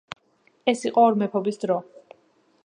ეს იყო ორმეფობის დრო.